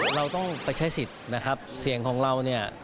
เราต้องไปใช้สิทธิ์นะครับเสียงของเราเนี่ย